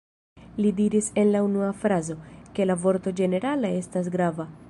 Li diris en la unua frazo, ke la vorto ĝenerala estas grava.